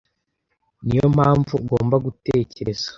Ni yo mpamvu ugomba gutekereza